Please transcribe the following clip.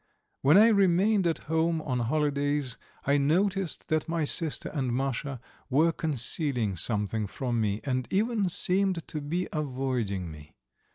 When I remained at home on holidays I noticed that my sister and Masha were concealing something from me, and even seemed to be avoiding me.